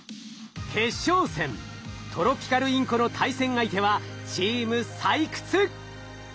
トロピカルインコの対戦相手はチーム「採掘」。